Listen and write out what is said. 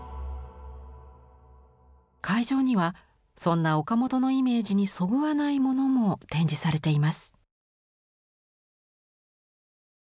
会場にはそんな岡本のイメージにそぐわないものも展示されています。